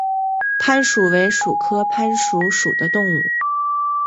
攀鼠为鼠科攀鼠属的动物。